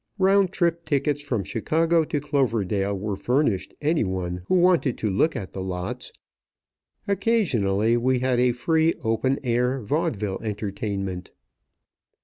Round trip tickets from Chicago to Cloverdale were furnished any one who wanted to look at the lots. Occasionally, we had a free open air vaudeville entertainment.